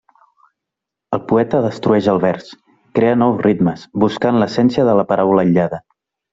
El poeta destrueix el vers, crea nous ritmes, buscant l'essència de la paraula aïllada.